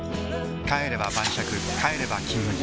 帰れば晩酌帰れば「金麦」